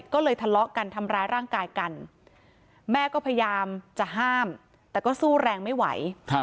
ก็เลยทะเลาะกันทำร้ายร่างกายกันแม่ก็พยายามจะห้ามแต่ก็สู้แรงไม่ไหว